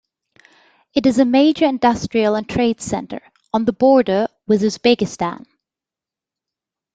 It is a major industrial and trade center, on the border with Uzbekistan.